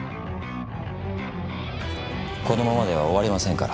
このままでは終わりませんから。